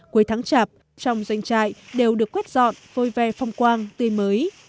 cuối tháng chạp trong doanh trại đều được quét dọn phôi ve phong quang tươi mới